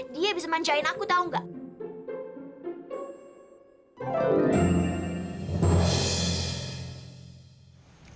dia bisa manjain aku tau gak